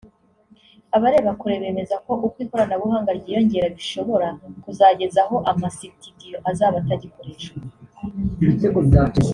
Abareba kure bemeza ko uko ikoranabuhanga ryiyongera bishobora kuzageza aho amasitudiyo azaba atagikoreshwa